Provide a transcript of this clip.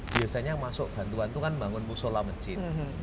biasanya yang masuk bantuan itu kan bangun musola masjid